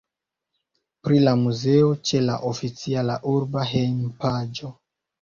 Pri la muzeo ĉe la oficiala urba hejmpaĝo.